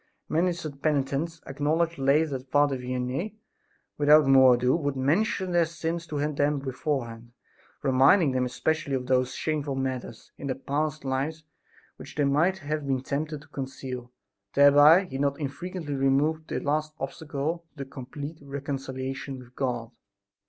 Many such penitents acknowledged later that Father Vianney, without more ado, would mention their sins to them beforehand, reminding them especially of those shameful matters in their past life which they might have been tempted to conceal. Thereby he not infrequently removed the last obstacle to complete reconciliation with God.